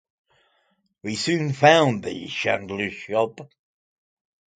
We soon found the chandler's shop.